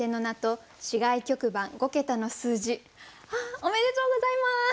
おめでとうございます。